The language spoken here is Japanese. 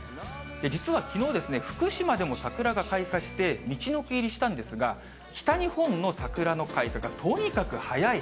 実はきのう、福島でも桜が開花して、みちのく入りしたんですが、北日本の桜の開花がとにかく早い。